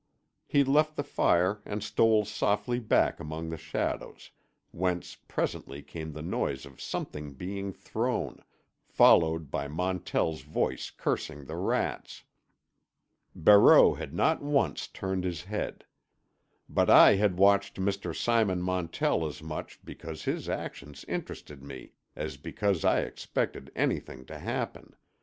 He left the fire and stole softly back among the shadows, whence presently came the noise of something being thrown, followed by Montell's voice cursing the rats. Barreau had not once turned his head. But I had watched Mr. Simon Montell as much because his actions interested me as because I expected anything to happen.